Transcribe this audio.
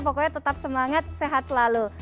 pokoknya tetap semangat sehat selalu